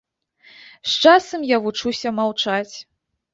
З часам я вучуся маўчаць.